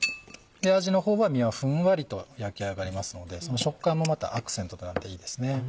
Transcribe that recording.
味の方は身はふんわりと焼き上がりますのでその食感もまたアクセントとなっていいです。